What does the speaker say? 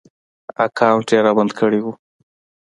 اکاونټ ېې رابند کړی و